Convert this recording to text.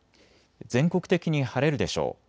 全国的に晴れるでしょう。